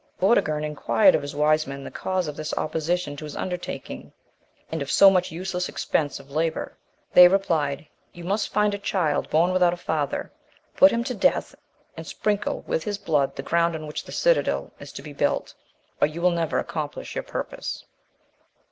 Vortigern inquired of his wise men the cause of this opposition to his undertaking, and of so much useless expense of labour? They replied, "You must find a child born without a father, put him to death, and sprinkle with his blood the ground on which the citadel is to be built, or you will never accomplish your purpose."